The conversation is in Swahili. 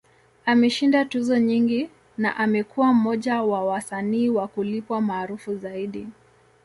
Ameshinda tuzo nyingi, na amekuwa mmoja wa wasanii wa kulipwa maarufu zaidi.